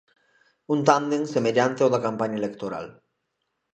Un tándem semellante ao da campaña electoral.